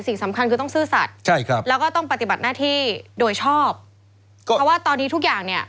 สิ่งสำคัญคือต้องซื่อสัตว์ใช่ครับแล้วก็ต้องปฏิบัติหน้าที่โดยชอบเพราะว่าตอนนี้ทุกอย่างเนี่ย